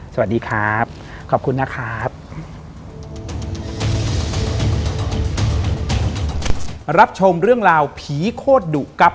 สวัสดีครับขอบคุณนะครับ